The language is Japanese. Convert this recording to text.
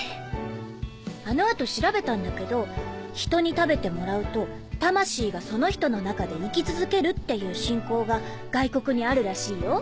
あの後調べたんだけどひとに食べてもらうと魂がその人の中で生き続けるっていう信仰が外国にあるらしいよ。